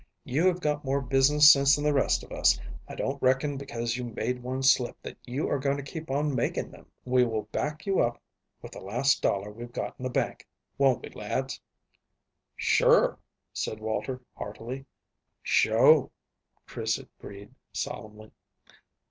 You have got more business sense than the rest of us. I don't reckon because you made one slip that you are going to keep on making them. We will back you up with the last dollar we've got in the bank, won't we, lads?" "Sure," said Walter heartily. "Sho'," Chris agreed solemnly.